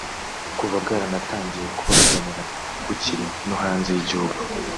kuva bwaranatangiye kubavuganira bukiri no hanze y’igihugu